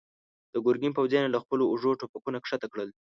د ګرګين پوځيانو له خپلو اوږو ټوپکونه کښته کړل.